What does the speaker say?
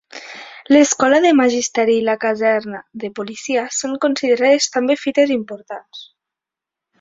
L'escola de Magisteri i la Caserna de Policia, són considerades també fites importants.